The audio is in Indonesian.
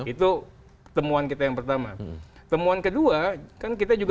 itu temuan kita yang pertama temuan kedua kan kita juga